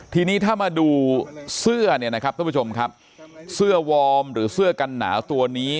ทีนี้ถ้ามาดูเสื้อเนี่ยนะครับท่านผู้ชมครับเสื้อวอร์มหรือเสื้อกันหนาวตัวนี้